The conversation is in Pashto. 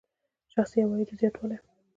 شخصي عوایدو زیاتوالی.